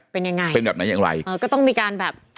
เป็นยังไงเป็นแบบไหนอย่างไรเออก็ต้องมีการแบบ